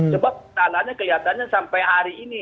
sebab tanahnya kelihatannya sampai hari ini